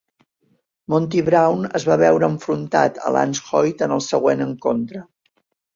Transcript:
Monty Brown es va veure enfrontat a Lance Hoyt en el següent encontre.